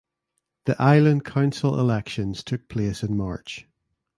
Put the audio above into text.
The island council elections took place in March.